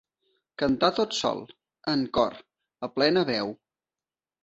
Cantar tot sol, en cor, a plena veu.